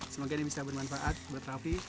semoga ini bisa bermanfaat buat raffi